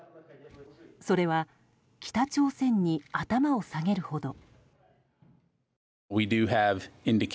それは北朝鮮に頭を下げるほど。